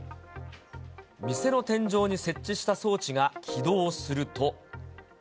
店の天井に設置した装置が起動すると。